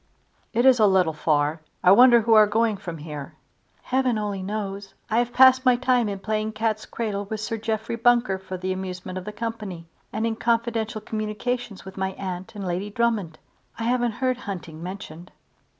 "It is a little far. I wonder who are going from here?" "Heaven only knows. I have passed my time in playing cat's cradle with Sir Jeffrey Bunker for the amusement of the company, and in confidential communications with my aunt and Lady Drummond. I haven't heard hunting mentioned."